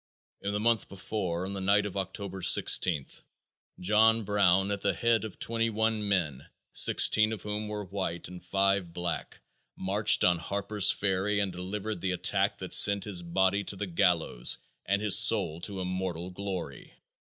In the month before, on the night of October 16th, John Brown, at the head of twenty one men, sixteen of whom were white and five black, marched on Harper's Ferry and delivered the attack that sent his body to the gallows and his soul to immortal glory.